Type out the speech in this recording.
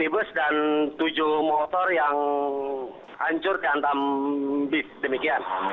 limi bus dan tujuh motor yang hancur di antam bis demikian